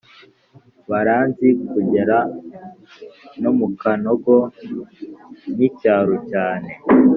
baranzi kugera no mukanogon’ icyaro cyane